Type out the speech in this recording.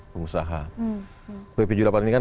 pengusaha ppju delapan ini kan